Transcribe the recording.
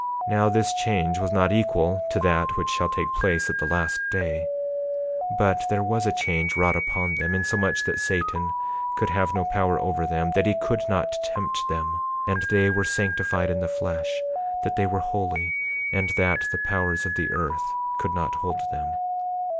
28:39 Now this change was not equal to that which shall take place at the last day; but there was a change wrought upon them, insomuch that Satan could have no power over them, that he could not tempt them; and they were sanctified in the flesh, that they were holy, and that the powers of the earth could not hold them.